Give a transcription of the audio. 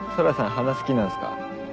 花好きなんすか？